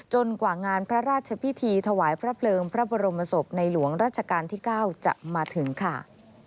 กว่างานพระราชพิธีถวายพระเพลิงพระบรมศพในหลวงรัชกาลที่๙จะมาถึงค่ะ